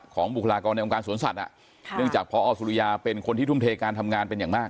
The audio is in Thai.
บุคลากรในองค์สวนสัตว์เนื่องจากพอสุริยาเป็นคนที่ทุ่มเทการทำงานเป็นอย่างมาก